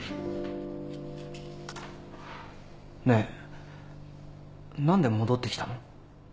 ねえ何で戻ってきたの？